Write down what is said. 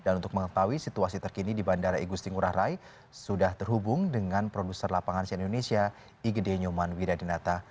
dan untuk mengetahui situasi terkini di bandara igusti ngurah rai sudah terhubung dengan produser lapangan sian indonesia igd nyoman widadinata